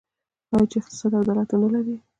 آیا چې اقتصاد او عدالت ونلري؟